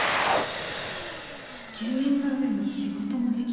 イケメンな上に仕事もできるなんて。